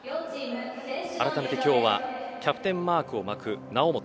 あらためて今日はキャプテンマークを巻く猶本。